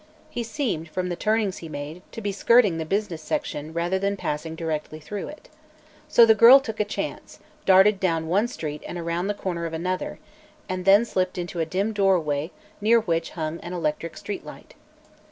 He seemed, from the turnings he made, to be skirting the business section rather than pass directly through it. So the girl took a chance, darted down one street and around the corner of another, and then slipped into a dim doorway near which hung an electric street light.